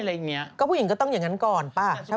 แล้วเขาก็ไม่ยอมถอยที่มร้าบบอกว่าว่า